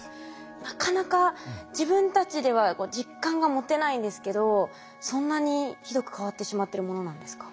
なかなか自分たちでは実感が持てないんですけどそんなにひどく変わってしまってるものなんですか？